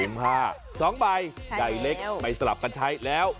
๒ใบไก่เล็กไปสลับกันใช้แล้ว